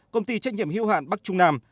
công ty trách nhiệm hiếu hạn bắc trung nam